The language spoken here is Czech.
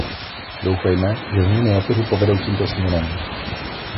Doufejme, že změny na trhu povedou tímto směrem.